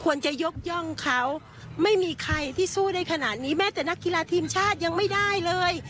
จะยกย่องเขาไม่มีใครที่สู้ได้ขนาดนี้แม้แต่นักกีฬาทีมชาติยังไม่ได้เลย